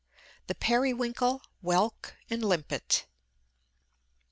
THE PERIWINKLE, WHELK AND LIMPET.